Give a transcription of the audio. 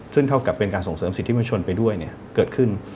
ซึ่งเท่ากับเป็นการส่งเสริมสิทธิมชนไปด้วยเกิดขึ้น